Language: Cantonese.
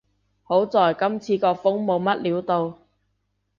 好在今次個風冇乜料到